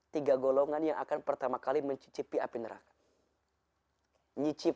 tiga golongan yang akan pertama kali mencicipi api neraka